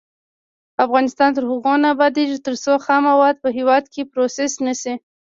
افغانستان تر هغو نه ابادیږي، ترڅو خام مواد په هیواد کې پروسس نشي.